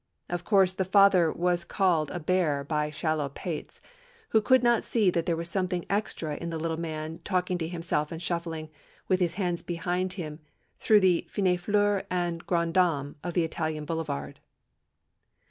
Of course the Father was called a bear by shallow pates who could not see that there was something extra in the little man talking to himself and shuffling, with his hands behind him, through the fines fleurs and grandes dames of the Italian Boulevard."